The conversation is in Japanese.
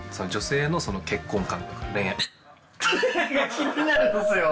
気になるんですよ